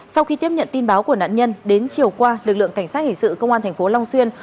sau khi tiếp nhận tin báo của nạn nhân đến chiều qua lực lượng cảnh sát hình sự công an thành phố long xuyên